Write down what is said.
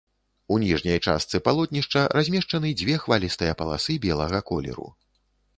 У ніжняй частцы палотнішча размешчаны дзве хвалістыя паласы белага колеру.